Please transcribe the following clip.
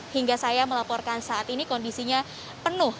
hingga saya melaporkan saat ini kondisinya penuh